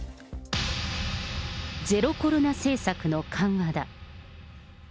ゼロコロナ政策の緩和だ。